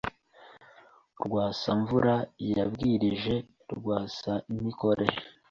Rwasamvura yabwirije Rwasamikore